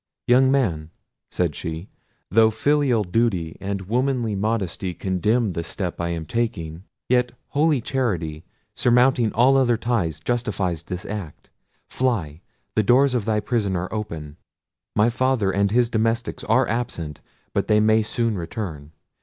"Young man," said she, "though filial duty and womanly modesty condemn the step I am taking, yet holy charity, surmounting all other ties, justifies this act. Fly; the doors of thy prison are open: my father and his domestics are absent; but they may soon return.